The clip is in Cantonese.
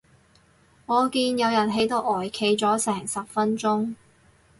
我見有人喺度呆企咗成十分鐘